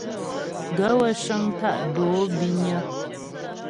Gaə̂ wə́ cə́ŋ tá' dǒ bínyə́.